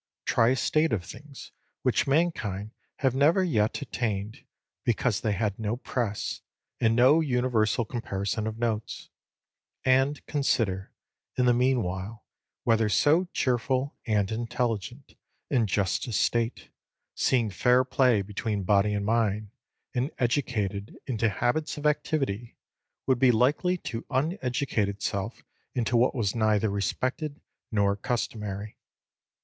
Try a state of things which mankind have never yet attained, because they had no press, and no universal comparison of notes; and consider, in the meanwhile, whether so cheerful, and intelligent, and just a state, seeing fair play between body and mind, and educated into habits of activity, would be likely to uneducate itself into what was neither respected nor customary.